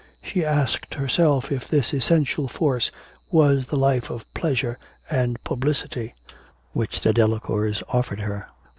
She asked herself if this essential force was the life of pleasure and publicity which the Delacours offered her.